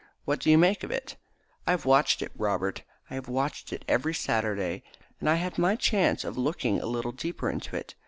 What do you make of it?" "I have watched it, Robert I have watched it every Saturday, and I had my chance of looking a little deeper into it.